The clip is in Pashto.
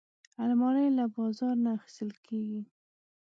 الماري له بازار نه اخیستل کېږي